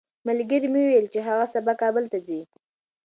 ملګري مې وویل چې هغه سبا کابل ته ځي.